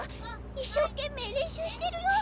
一生懸命練習してるよ？